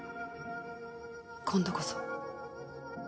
今度こそ